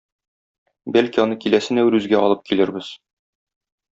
Бәлки аны киләсе "Нәүрүзгә" алып килербез.